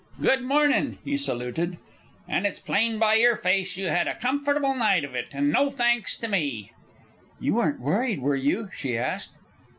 "Good mornin'," he saluted. "And it's plain by your face you had a comfortable night of it, and no thanks to me." "You weren't worried, were you?" she asked.